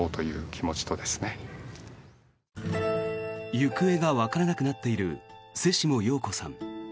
行方がわからなくなっている瀬下陽子さん。